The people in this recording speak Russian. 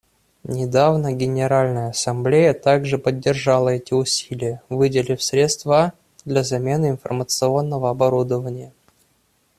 Недавно Генеральная Ассамблея также поддержала эти усилия, выделив средства для замены информационного оборудования.